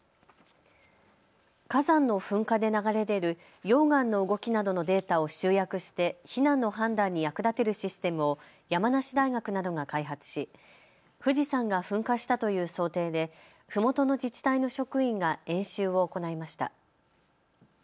火山の噴火で流れ出る溶岩の動きなどのデータを集約して避難の判断に役立てるシステムを山梨大学などが開発し富士山が噴火したという想定でふもとの自治体の職員が演習を行いました。